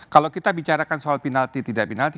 kalau kita bicarakan soal penalti tidak penalti